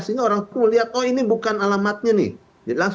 sehingga orang melihat oh ini bukan alamatnya